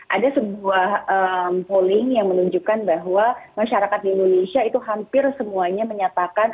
ada sebuah polling yang menunjukkan bahwa masyarakat di indonesia itu hampir semuanya menyatakan